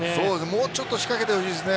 もうちょっと仕掛けてほしいですね。